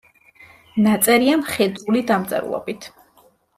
ნაწერია მხედრული დამწერლობით.